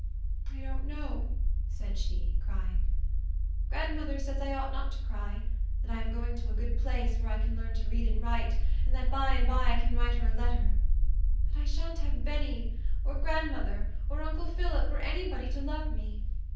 "I don't know," said she, crying. "Grandmother says I ought not to cry; that I am going to a good place, where I can learn to read and write, and that by and by I can write her a letter. But I shan't have Benny, or grandmother, or uncle Phillip, or any body to love me.